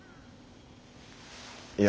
いや。